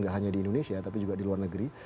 tidak hanya di indonesia tapi juga di luar negeri